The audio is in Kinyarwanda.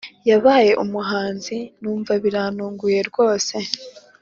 Yabaye umuhanzi numva biranunguye rwose